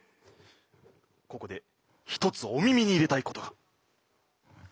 ここで一つお耳に入れたいことが。